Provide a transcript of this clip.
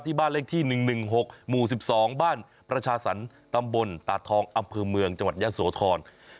บ้านเลขที่๑๑๖หมู่๑๒บ้านประชาสรรตำบลตาทองอำเภอเมืองจังหวัดยะโสธร